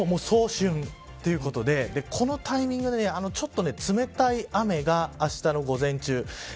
早春ということでこのタイミングでちょっと冷たい雨があしたの午前中